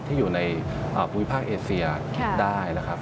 ที่อยู่ในภูมิภาคเอเซียได้นะครับ